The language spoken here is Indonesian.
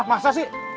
ah masa sih